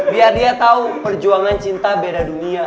biar dia tahu perjuangan cinta beda dunia